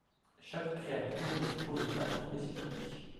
Chaque créature dispose de talents spécifiques.